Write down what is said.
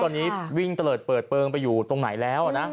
นี้วิ่งเตรอดเปิดเบลงไปอยู่ตรงไหนแล้วอืม